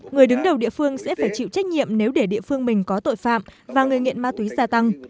người đứng đầu địa phương sẽ phải chịu trách nhiệm nếu để địa phương mình có tội phạm và người nghiện ma túy gia tăng